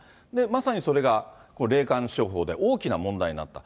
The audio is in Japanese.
まさに、それが霊感商法で、大きな問題になった。